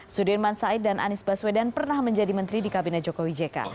sudirman said dan anies baswedan pernah menjadi menteri di kabinet jokowi jk